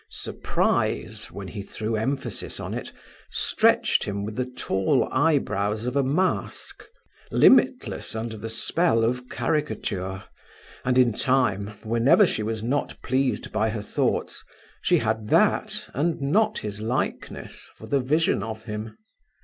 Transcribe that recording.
Surprise, when he threw emphasis on it, stretched him with the tall eyebrows of a mask limitless under the spell of caricature; and in time, whenever she was not pleased by her thoughts, she had that, and not his likeness, for the vision of him.